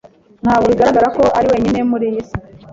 Ntabwo bigaragara ko uri wenyine muriyi minsi.